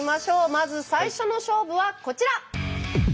まず最初の勝負はこちら！